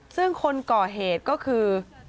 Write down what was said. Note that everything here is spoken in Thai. ซึ่งคนก่อเหตุก็คือ